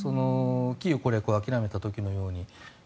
キーウ攻略を諦めた時のように。